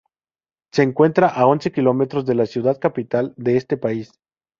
Se encuentra a once kilómetros de la ciudad capital de este país.